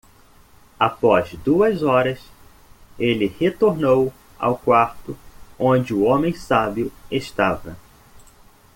Após duas horas?, ele retornou ao quarto onde o homem sábio estava.